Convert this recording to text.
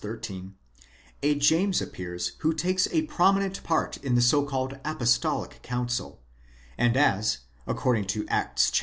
13) a James ap pears who takes a prominent part in the so called apostolic council, and as, ac cording to Acts xii.